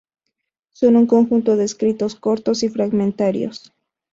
Son un conjunto de escritos cortos y fragmentarios.